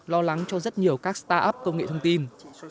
lo lắng cho rất nhiều các staff công nghệ thông tin